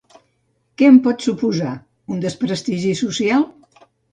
Què em pot suposar: un desprestigi social?